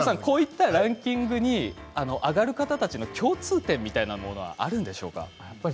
こういったランキングに挙がる方たちの共通点はあるんでしょうか。